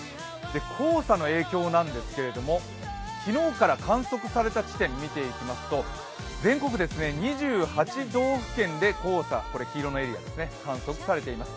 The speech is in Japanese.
黄砂の影響なんですけれども昨日から観測された地点を見ていきますと全国２８道府県で黄砂、黄色のエリア、観測されています。